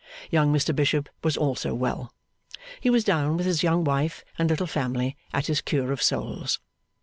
Young Mr Bishop was also well. He was down, with his young wife and little family, at his Cure of Souls.